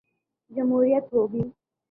جمہوریت ہو گی۔